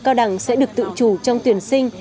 cao đẳng sẽ được tự chủ trong tuyển sinh